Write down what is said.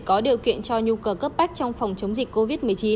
có điều kiện cho nhu cầu cấp bách trong phòng chống dịch covid một mươi chín